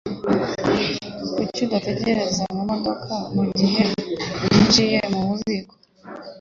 Kuki utategereza mumodoka mugihe ninjiye mububiko?